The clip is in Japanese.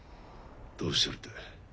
どうしてるって？